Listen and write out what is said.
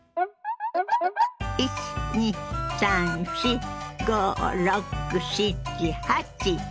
１２３４５６７８。